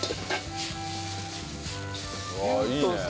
ああいいねえ。